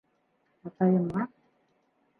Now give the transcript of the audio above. Атайыма.